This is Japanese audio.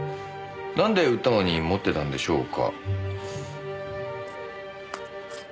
なんで売ったのに持ってたんでしょうか？